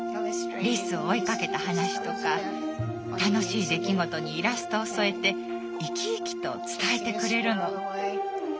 リスを追いかけた話とか楽しい出来事にイラストを添えて生き生きと伝えてくれるの。